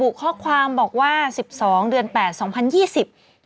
แล้วก็นักปั้นมือทองแฟนครับจะได้เผยเรื่องเราจะนำลงพล